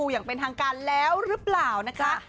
อย่างเป็นทางการแล้วหรือเปล่านะคะ